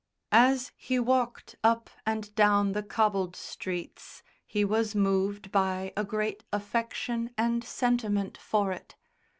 As he walked up and down the cobbled streets he was moved by a great affection and sentiment for it.